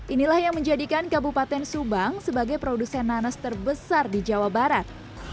inilah yang menjadikan kabupaten subang sebagai produsen nanas terbesar di jawa barat